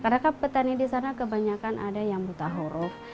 karena petani disana kebanyakan ada yang buta huruf